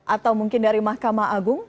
atau mungkin dari mahkamah agung